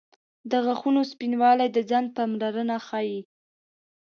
• د غاښونو سپینوالی د ځان پاملرنه ښيي.